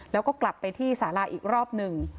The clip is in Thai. แล้วก็กลับไปที่สาราอีกรอบหนึ่ง